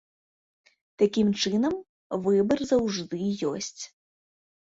Такім чынам, выбар заўжды ёсць.